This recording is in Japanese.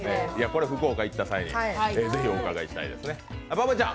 これ福岡に行った際にぜひお伺いしたいですね。